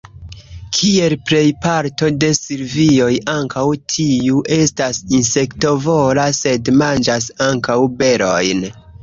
Kiel plej parto de silvioj, ankaŭ tiu estas insektovora, sed manĝas ankaŭ berojn.